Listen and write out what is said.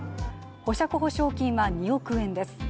保釈保証金は２億円です。